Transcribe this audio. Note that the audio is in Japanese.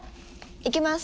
いきます。